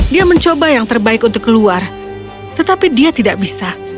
dia mencoba yang terbaik untuk keluar tetapi dia tidak bisa